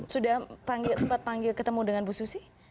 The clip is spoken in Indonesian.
sudah sempat panggil ketemu dengan bu susi